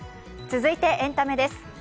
続いてエンタメです。